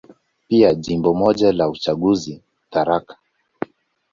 Pia Jimbo moja la uchaguzi, Tharaka.